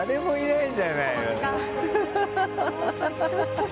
この時間。